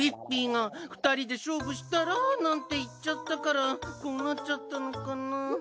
ぴいが２人で勝負したら？なんて言っちゃったからこうなっちゃったのかな。